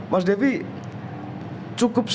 mas devi cukup susah untuk menurut anda